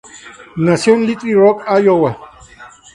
Nació en Little Rock, Iowa.